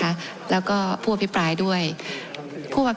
ครับท่านประธานค่ะขอบคุณค่ะก็คำพูดที่เสียสีก็ให้ถอนแล้วนะครับ